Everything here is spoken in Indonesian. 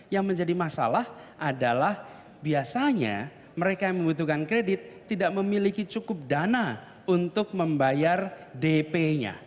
yang menjadi masalah adalah biasanya mereka yang membutuhkan kredit tidak memiliki cukup dana untuk membayar dp nya